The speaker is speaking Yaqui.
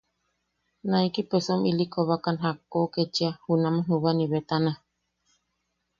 Naiki pesom ili kobakan jakko ketchia junaman Jubanibetana.